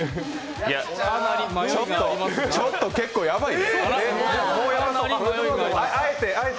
ちょっと結構やばい。